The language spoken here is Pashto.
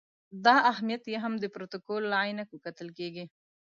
دا اهمیت یې هم د پروتوکول له عینکو کتل کېږي.